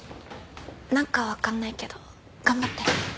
なんかわかんないけど頑張って。